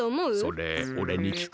それおれにきく？